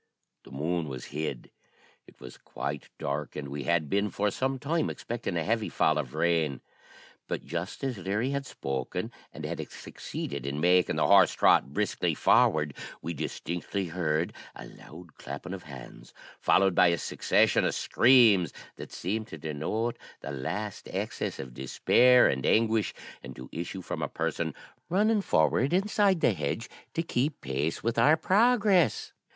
The moon was hid. It was quite dark, and we had been for some time expecting a heavy fall of rain. But just as Leary had spoken, and had succeeded in making the horse trot briskly forward, we distinctly heard a loud clapping of hands, followed by a succession of screams, that seemed to denote the last excess of despair and anguish, and to issue from a person running forward inside the hedge, to keep pace with our progress.